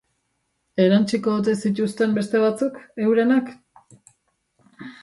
Erantsiko ote zituzten beste batzuk, eurenak?